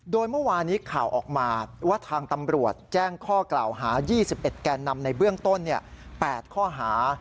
โดยเมื่อวานี้ข่าวออกมาว่าทางตำรวจแจ้งข้อกล่าวหา๒๑แกนนำในเบื้องต้น๘ข้อหา